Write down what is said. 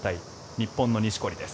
日本の錦織です。